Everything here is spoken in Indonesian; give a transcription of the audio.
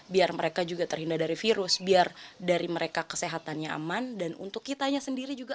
biar mereka juga terhindar dari virus biar dari mereka kesehatannya aman dan untuk kitanya sendiri juga